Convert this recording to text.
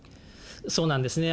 そうなんですね。